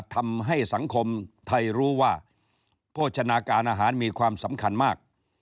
ทำให้สังคมไทยรู้ว่าโภชนาการอาหารมีความสำคัญมาก